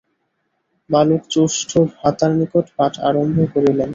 বালক জ্যেষ্ঠ ভ্রাতার নিকট পাঠ আরম্ভ করিলেন।